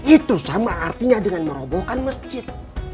itu sama artinya dengan merobohkan masjid